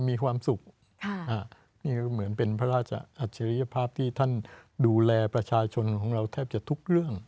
มีความสุขนี่ก็เหมือนเป็นพระราชอัจฉริยภาพที่ท่านดูแลประชาชนของเราแทบจะทุกเรื่อง